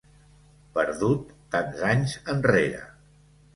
Perdut tants anys enrere.